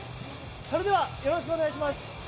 それではよろしくお願いします。